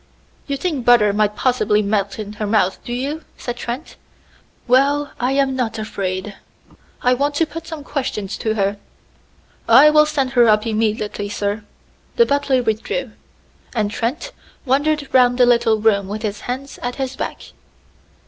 "You think butter might possibly melt in her mouth, do you?" said Trent. "Well, I am not afraid. I want to put some questions to her." "I will send her up immediately, sir." The butler withdrew, and Trent wandered round the little room with his hands at his back.